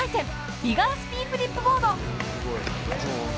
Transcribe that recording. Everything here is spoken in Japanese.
ビガースピンフリップボード。